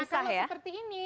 nah kalau seperti ini